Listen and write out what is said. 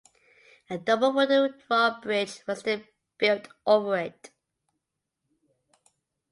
A double wooden drawbridge was then built over it.